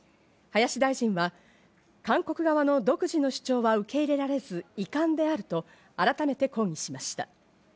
林大臣は韓国側の独自の主張は受け入れられず遺憾であると改めて抗議しました。